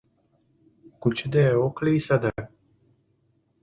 Кучыде ок лий садак.